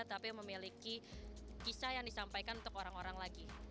tapi memiliki kisah yang disampaikan untuk orang orang lagi